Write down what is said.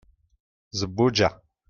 zebbuǧa